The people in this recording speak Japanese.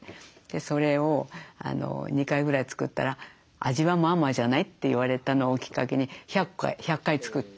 それを２回ぐらい作ったら「味はまあまあじゃない」って言われたのをきっかけに１００回作って。